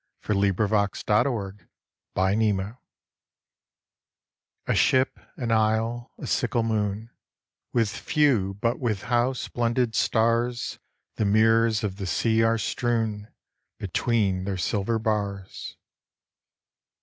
174 A Ship^ an Isle, a Sickle Moon A ship, an isle, a sickle moon — With few but with how splendid stars The mirrors of the sea are strewn Between their silver bars